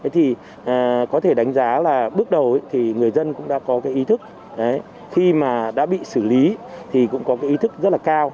thì có thể đánh giá là bước đầu thì người dân cũng đã có cái ý thức khi mà đã bị xử lý thì cũng có cái ý thức rất là cao